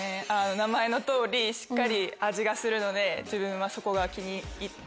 名前の通りしっかり味がするので自分はそこが気に入って。